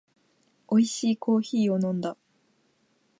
おいしいコーヒーを飲んだ